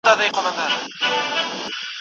تعاون د بریا او پرمختګ لار ده.